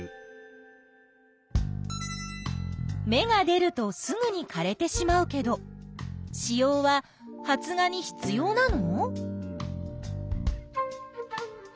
芽が出るとすぐにかれてしまうけど子葉は発芽に必要なの？